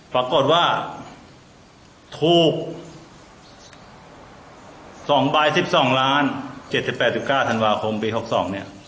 ปรากฏว่าถูกสองบายสิบสองล้านเจ็ดสิบแปดสิบเก้าธันวาคมปีหกสองเนี้ย